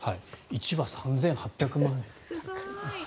１羽３８００万円。